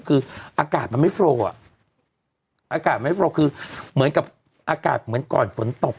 คืออากาศมันไม่โฟลอ่ะอากาศไม่โฟลคือเหมือนกับอากาศเหมือนก่อนฝนตก